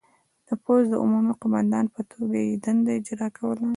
د پوځ د عمومي قوماندان په توګه یې دنده اجرا کوله.